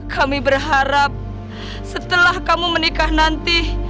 kami berharap setelah kamu menikah nanti